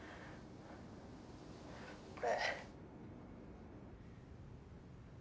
俺。